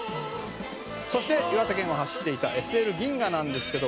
「そして岩手県を走っていたＳＬ銀河なんですけど」